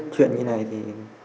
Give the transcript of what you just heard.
chuyện như này thì